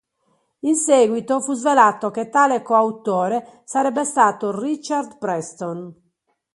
In séguito fu svelato che tale coautore sarebbe stato Richard Preston.